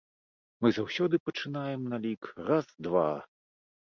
Мы заўсёды пачынаем на лік раз-два.